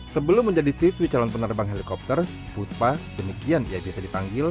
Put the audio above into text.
sebelum menjadi siswi calon penerbang helikopter puspa demikian ia bisa dipanggil